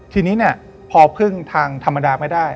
ทีนี้พอเพิ่งทางธรรมดาไม่ได้